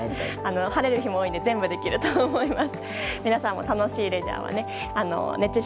晴れる日も多いので全部できると思います。